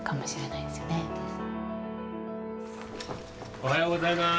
おはようございます。